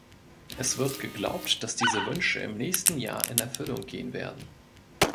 Es wird geglaubt, dass diese Wünsche im nächsten Jahr in Erfüllung gehen werden.